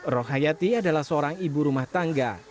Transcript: rohayati adalah seorang ibu rumah tangga